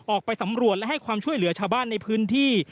ออกไปสำรวจและให้ความช่วยเหลือชาวบ้านในพื้นที่